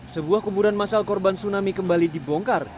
sebuah kuburan masal korban tsunami kembali dibongkar